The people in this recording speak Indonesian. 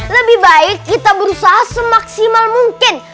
lebih baik kita berusaha semaksimal mungkin